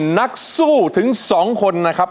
นักสู้ถึง๒คนนะครับ